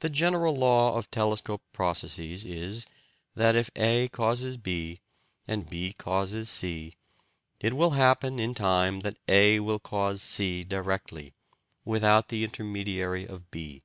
The general law of telescoped processes is that, if A causes B and B causes C, it will happen in time that A will cause C directly, without the intermediary of B.